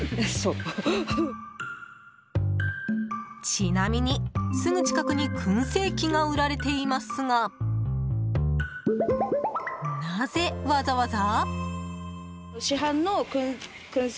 ちなみに、すぐ近くに燻製器が売られていますがなぜ、わざわざ？